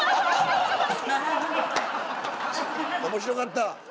面白かった。